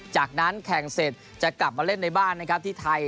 จากนั้นแข่งเสร็จจะกลับมาเล่นในบ้านนะครับที่ไทย